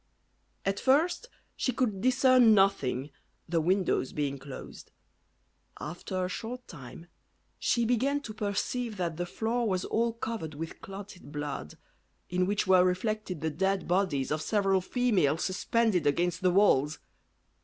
At first she could discern nothing, the windows being closed; after a short time she began to perceive that the floor was all covered with clotted blood, in which were reflected the dead bodies of several females suspended against the walls.